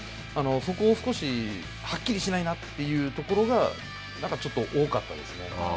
そこを少しはっきりしないなというところがなんかちょっと多かったですね。